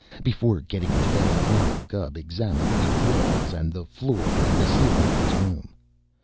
Before getting into bed Philo Gubb examined the walls, the floor, and the ceiling of his room.